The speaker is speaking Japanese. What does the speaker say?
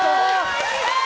すごい！